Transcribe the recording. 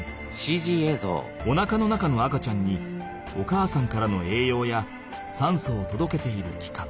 おなかの中の赤ちゃんにお母さんからのえいようやさんそをとどけているきかん。